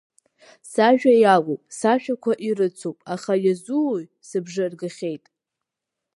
Сажәа иалоуп, сашәақәа ирыцуп, аха, иазууеи, сыбжа ргахьеит.